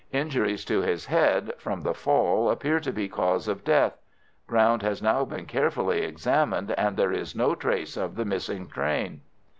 Injuries to his head, from the fall, appear to be cause of death. Ground has now been carefully examined, and there is no trace of the missing train."